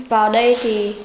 vào đây thì